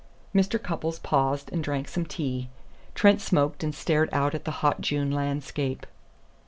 Mr. Cupples paused and drank some tea. Trent smoked and stared out at the hot June landscape.